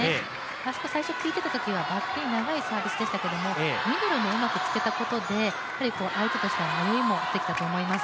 あそこ、最初効いていたときは長いサービスでしたけれども、ミドルにうまくつけたことで相手としては迷いもできたと思います。